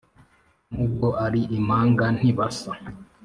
nubwo ari impanga ntibasa